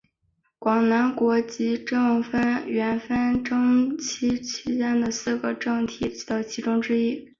广南国及郑阮纷争期间的四个政体的其中之一。